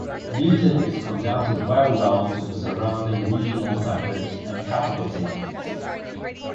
Leeton is connected very well to the surrounding regional centres and capital cities.